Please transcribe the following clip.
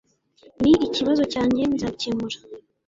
Ni ikibazo cyanjye Nzabikemura